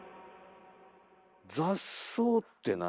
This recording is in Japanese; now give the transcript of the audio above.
雑草って何。